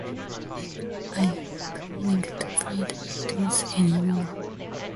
I am not going to play the Beatles any more.